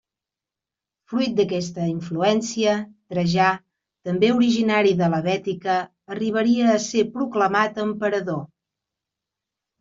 Fruit d'aquesta influència, Trajà, també originari de la Bètica, arribaria a ser proclamat emperador.